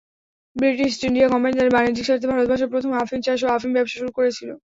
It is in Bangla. ব্রিটিশ ইস্ট ইন্ডিয়া কোম্পানি তাদের বাণিজ্যিক স্বার্থে ভারতবর্ষে প্রথম আফিম চাষ ও আফিম ব্যবসা শুরু করেছিল।